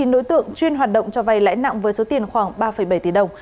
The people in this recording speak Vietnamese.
chín đối tượng chuyên hoạt động cho vay lãi nặng với số tiền khoảng ba bảy tỷ đồng